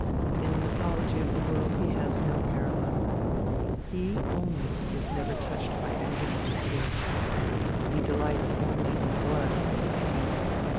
In the mythology of the world he has no parallel. He, only, is never touched by agony and tears. He delights only in blood and pain.